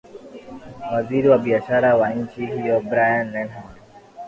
waziri wa biashara wa nchi hiyo brian lenham